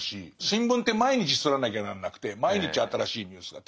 新聞って毎日刷らなきゃなんなくて毎日新しいニュースが。